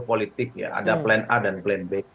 politik ya ada plan a dan plan b